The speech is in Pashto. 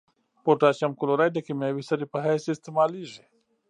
پوتاشیم کلورایډ د کیمیاوي سرې په حیث استعمالیږي.